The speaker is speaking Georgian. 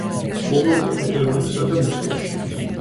ცხოვრობდა პეტერბურგსა და მოსკოვში.